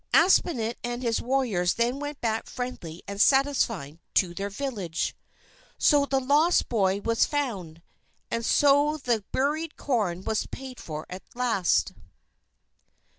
Aspinet and his warriors then went back friendly and satisfied, to their village. So the lost boy was found. And so the buried corn was paid for at last.